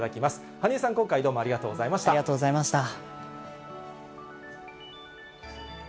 羽生さん、今回どうもありがとうありがとうございました。